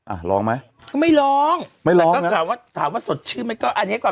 อ่ะร้องไหมก็ไม่ร้องไม่ร้องก็ถามว่าถามว่าสดชื่นไหมก็อันนี้ก่อน